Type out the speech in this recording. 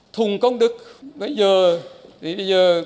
thùng công đức bây giờ